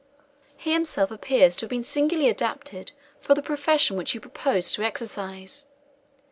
He himself appears to have been singularly adapted for the profession which he proposed to exercise.